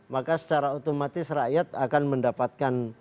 maka secara otomatis rakyat akan mendapatkan